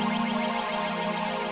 oh baru aja boleh be